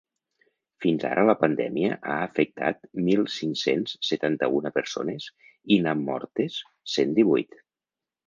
Fins ara la pandèmia ha afectat mil cinc-cents setanta-una persones i n’ha mortes cent divuit.